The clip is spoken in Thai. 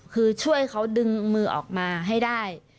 คือช่วยเขาดึงมือออกมาให้ได้